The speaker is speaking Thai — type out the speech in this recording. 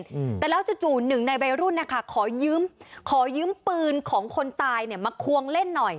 อืมแต่แล้วจู่จู่หนึ่งในวัยรุ่นนะคะขอยืมขอยืมปืนของคนตายเนี้ยมาควงเล่นหน่อย